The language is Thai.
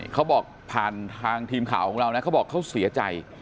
เขาบอกผ่านทางทีมข่าวของเรานะเขาบอกเขาเสียใจ